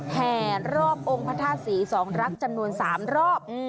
แห่รอบองค์พระธาตุศรีสองรักจำนวน๓รอบ